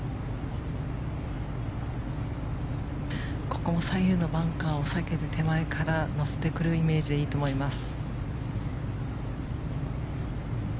ここも左右のバンカーを避けて手前から乗せてくるイメージでいいと思います。